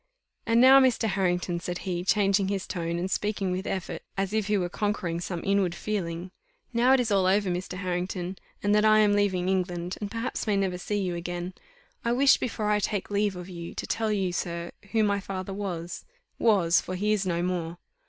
"And now, Mr. Harrington," said he, changing his tone and speaking with effort, as if he were conquering some inward feeling, "now it is all over, Mr. Harrington, and that I am leaving England, and perhaps may never see you again; I wish before I take leave of you, to tell you, sir, who my father was was, for he is no more.